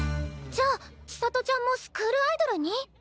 じゃあ千砂都ちゃんもスクールアイドルに？